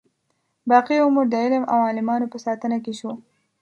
باقي عمر د علم او عالمانو په ساتنه کې شو.